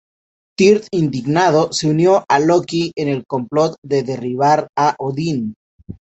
Tyr, indignado, se unió a Loki en el complot de derribar a Odín.